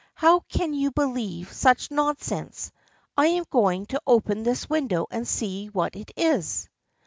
" How can you believe such nonsense ! I am going to open the window and see what it is."